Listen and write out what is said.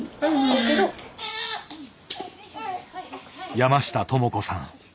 山下知子さん。